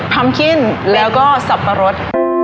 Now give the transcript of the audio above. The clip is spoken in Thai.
พร้อมกิ้นแล้วก็สับปะรด